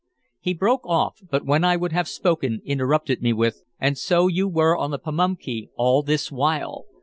He broke off, but when I would have spoken interrupted me with: "And so you were on the Pamunkey all this while!